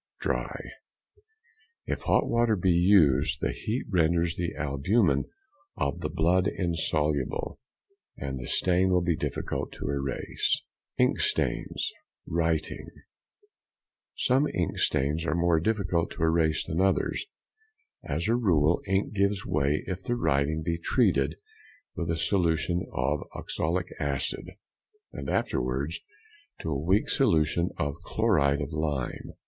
Dry. If hot water be used, the heat renders the albumen of the blood insoluble, and the stain will be difficult to erase. Ink stains (writing).—Some inks are more difficult to erase than others. As a rule ink gives way if the writing be treated with a solution of oxalic acid, and afterwards to a weak solution of chloride of lime.